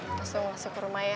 langsung masuk ke rumah ya